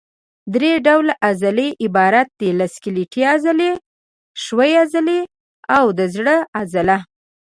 درې ډوله عضلې عبارت دي له سکلیټي عضلې، ښویې عضلې او د زړه عضله.